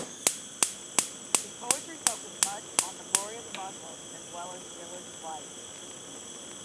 His poetry focused much on the glory of Muslims as well as village life.